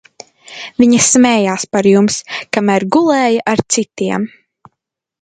Viņa smējās par jums, kamēr gulēja ar citiem!